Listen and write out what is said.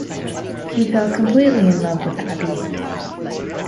He felt completely in love with Abby.